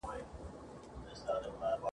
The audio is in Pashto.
زه پسونه غواوي نه سمه زغملای !.